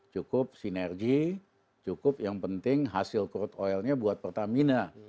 cukup sinergi cukup yang penting hasil crude oil nya buat pertamina